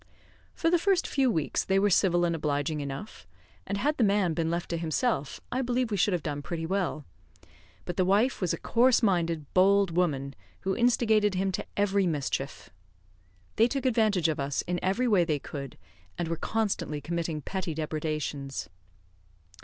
For the first few weeks, they were civil and obliging enough; and had the man been left to himself, I believe we should have done pretty well; but the wife was a coarse minded, bold woman, who instigated him to every mischief. They took advantage of us in every way they could, and were constantly committing petty depredations.